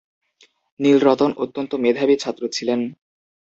নীলরতন অত্যন্ত মেধাবী ছাত্র ছিলেন।